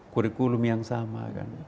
kurikulum yang sama